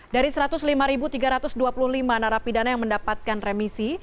dari satu ratus lima tiga ratus dua puluh lima narapidana yang mendapatkan remisi